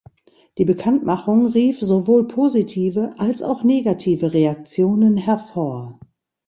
Die Bekanntmachung rief sowohl positive als auch negative Reaktionen hervor.